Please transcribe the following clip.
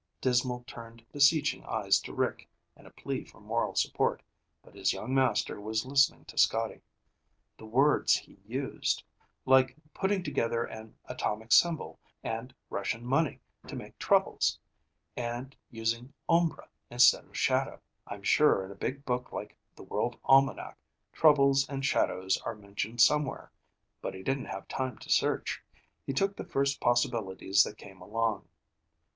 Dismal turned beseeching eyes to Rick in a plea for moral support, but his young master was listening to Scotty. "The words he used. Like putting together an atomic symbol and Russian money to make 'troubles,' and using 'umbra' instead of shadow. I'm sure in a big book like The World Almanac troubles and shadows are mentioned somewhere. But he didn't have time to search. He took the first possibilities that came along."